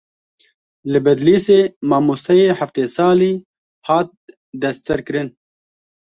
Li Bedlîsê mamosteyê heftê salî hat destserkirin.